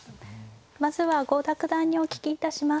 まずは郷田九段にお聞きいたします。